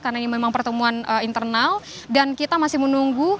karena ini memang pertemuan internal dan kita masih menunggu